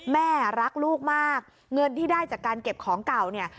แม่รักลูกมากเงินที่ได้จากการเก็บของเก่าเนี่ย